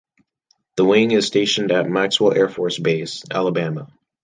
The wing is stationed at Maxwell Air Force Base, Alabama.